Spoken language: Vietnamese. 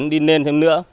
đi lên thêm nữa